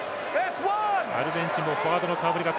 アルゼンチンもフォワードの顔ぶれが